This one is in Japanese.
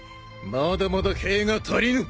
まだまだ兵が足りぬ！